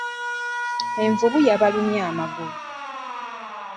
Envubu yabalumye amagulu.